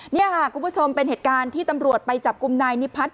นี่ค่ะคุณผู้ชมเป็นเหตุการณ์ที่ตำรวจไปจับกลุ่มนายนิพัฒน